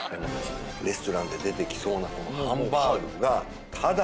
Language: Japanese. レストランで出てきそうなこのハンバーグが。